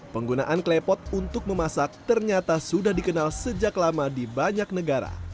penggunaan klepot untuk memasak ternyata sudah dikenal sejak lama di banyak negara